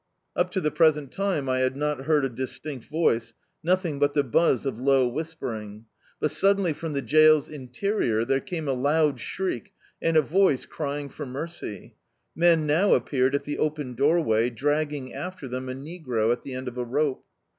Up to the pres ent time I had not heard a distinct voice, nothing hut the buzz of low whispering. But suddenly from the jail's interior there came a loud shriek and a voice crying for mercy. Men now appeared in the open doorway, dragging after them a negro at the end of a rope.